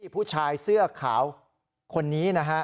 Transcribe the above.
ผู้ชายเสื้อขาวคนนี้